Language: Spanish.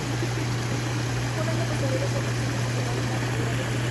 Un año posterior es el paisaje conservado en la catedral de Bruselas.